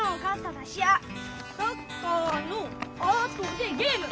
サッカーのあとでゲーム！